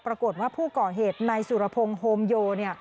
ปรากฏว่าผู้ก่อเหตุนายสุรพงศ์โฮมโย